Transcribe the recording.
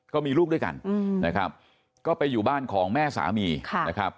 ก็มีลูกด้วยกันนะครับก็ไปอยู่บ้านของแม่สามีนะครับ